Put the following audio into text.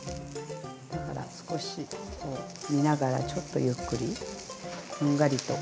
だから少し見ながらちょっとゆっくりこんがりと。